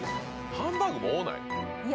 ハンバーグも多くない？